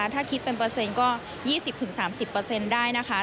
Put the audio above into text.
ถ้าคิดเป็นเปอร์เซ็นต์ก็๒๐๓๐ได้นะคะ